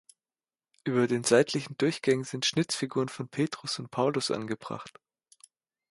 Über den seitlichen Durchgängen sind Schnitzfiguren von Petrus und Paulus angebracht.